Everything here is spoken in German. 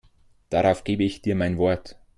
Darauf gebe ich dir mein Wort.